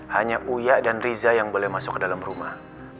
hanya uyak dan riza yang boleh masuk ke dalam rumah